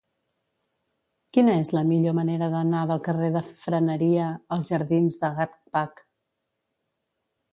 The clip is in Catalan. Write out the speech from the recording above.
Quina és la millor manera d'anar del carrer de Freneria als jardins del Gatcpac?